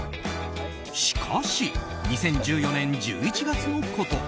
しかし、２０１４年１１月のこと。